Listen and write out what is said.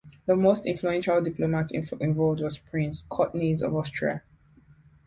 The most influential diplomat involved was Prince Kaunitz of Austria.